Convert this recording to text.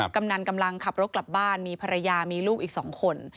กำนันกำลังขับรถกลับบ้านมีภรรยามีลูกอีก๒คน